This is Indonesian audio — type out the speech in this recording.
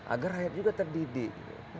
agar rakyat juga terdidik